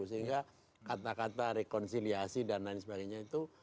sehingga kata kata rekonsiliasi dan lain sebagainya itu